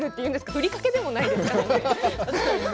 ふりかけでもないんですよね。